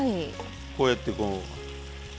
こうやってこう。